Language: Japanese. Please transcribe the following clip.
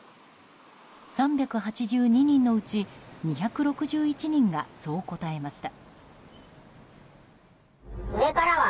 ３８２人のうち２６１人がそう答えました。